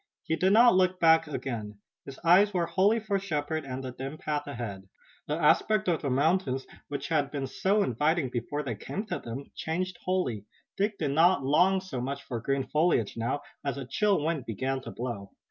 He did not look back again. His eyes were wholly for Shepard and the dim path ahead. The aspect of the mountains, which had been so inviting before they came to them, changed wholly. Dick did not long so much for green foliage now, as a chill wind began to blow.